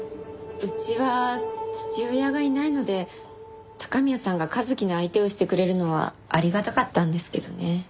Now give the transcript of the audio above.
うちは父親がいないので高宮さんが一輝の相手をしてくれるのはありがたかったんですけどね。